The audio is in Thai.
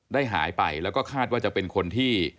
ได้หายไปแล้วก็คาดว่าจะเป็นคนที่